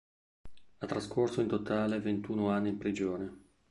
Ha trascorso in totale ventuno anni in prigione.